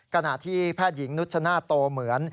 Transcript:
ขณะที่แพทย์หญิงนุชชนาศโตเหมือน